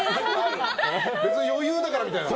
別に余裕だからみたいな。